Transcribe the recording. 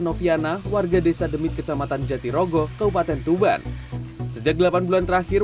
noviana warga desa demit kecamatan jatirogo kabupaten tuban sejak delapan bulan terakhir